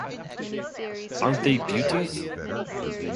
Aren't they beauties?